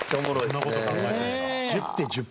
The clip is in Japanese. そんな事考えてるんだ。